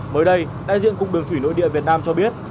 mới đây đại diện cục đường thủy nội địa việt nam cho biết